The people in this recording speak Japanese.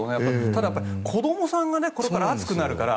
ただ、子供さんがこれから暑くなるから。